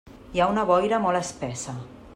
Hi ha una boira molt espessa.